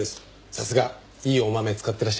さすがいいお豆使ってらっしゃいますね。